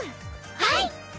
はい！